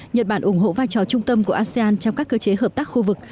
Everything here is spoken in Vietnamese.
nhật bản ủng hộ vai trò trung tâm của asean trong các cơ chế hợp tác khu vực